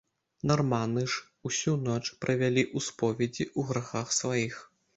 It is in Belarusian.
Нарманы ж усю ноч правялі ў споведзі ў грахах сваіх.